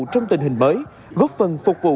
trong tình hình mới góp phần phục vụ